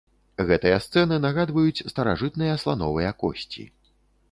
Гэтыя сцэны нагадваюць старажытныя слановыя косці.